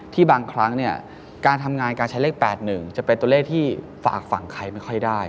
บางครั้งเนี่ยการทำงานการใช้เลข๘๑จะเป็นตัวเลขที่ฝากฝั่งใครไม่ค่อยได้